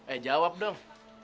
eh jawab dong